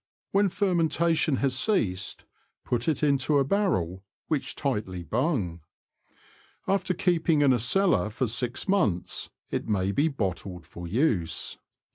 When fermentation has ceased, put it into a barrel, which tightly bung. After keeping in a cellar for six months, it may be bottled for use.